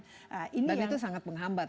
dan itu sangat menghambat